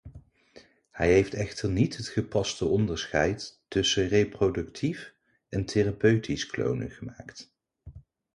Hij heeft echter niet het gepaste onderscheid tussen reproductief en therapeutisch klonen gemaakt.